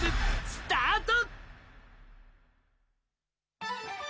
スタート！